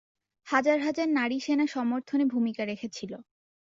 হাজার হাজার নারী সেনা সমর্থনে ভূমিকা রেখেছিল।